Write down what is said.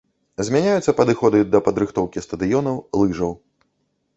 Змяняюцца падыходы да падрыхтоўкі стадыёнаў, лыжаў.